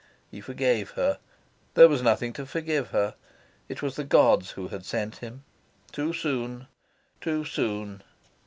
He forgave her. There was nothing to forgive her. It was the gods who had sent him too soon, too soon.